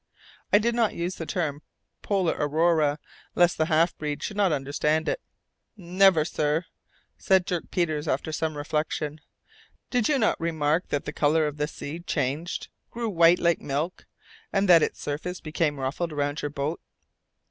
I did not use the term "polar aurora," lest the half breed should not understand it. "Never, sir," said Dirk Peters, after some reflection. "Did you not remark that the colour of the sea changed, grew white like milk, and that its surface became ruffled around your boat?"